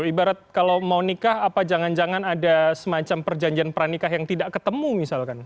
ibarat kalau mau nikah apa jangan jangan ada semacam perjanjian pernikah yang tidak ketemu misalkan